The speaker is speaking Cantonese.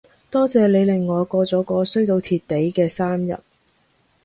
多謝你令我過咗個衰到貼地嘅生日